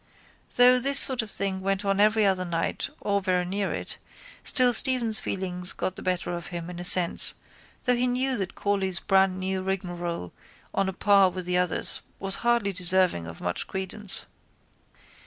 Though this sort of thing went on every other night or very near it still Stephen's feelings got the better of him in a sense though he knew that Corley's brandnew rigmarole on a par with the others was hardly deserving of much credence.